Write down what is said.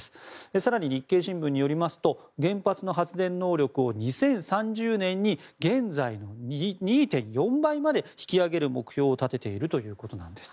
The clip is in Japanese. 更に、日経新聞によりますと原発の発電能力を２０３０年に現在の２．４倍まで引き上げる目標を立てているということです。